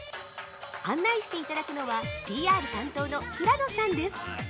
案内していただくのはＰＲ担当の平野さんです。